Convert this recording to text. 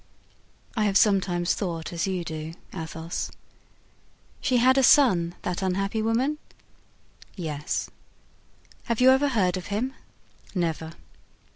"I have sometimes thought as you do, Athos." "She had a son, that unhappy woman?" "Yes." "Have you ever heard of him?" "Never."